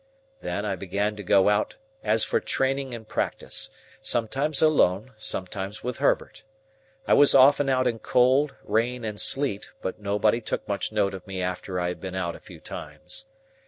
Then, I began to go out as for training and practice: sometimes alone, sometimes with Herbert. I was often out in cold, rain, and sleet, but nobody took much note of me after I had been out a few times.